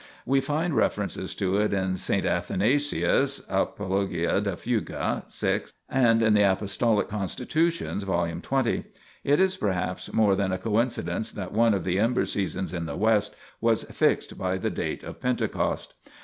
We find references to it in S. Athanasius (Apol. de fuga, 6) and in the Apostolic Constitutions (v. 20). It is perhaps more than a coincidence that one of the Ember seasons in the West was fixed by the date of Pentecost.